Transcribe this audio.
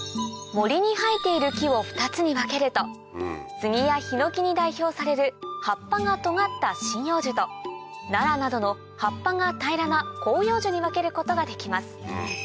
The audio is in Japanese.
森に生えている木を２つに分けるとスギやヒノキに代表される葉っぱがとがった針葉樹とナラなどの葉っぱが平らな広葉樹に分けることができます